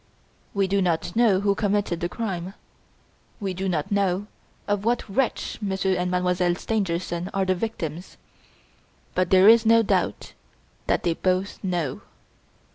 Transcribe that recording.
We do not know who committed the crime; we do not know of what wretch Monsieur and Mademoiselle Stangerson are the victims, but there is no doubt that they both know!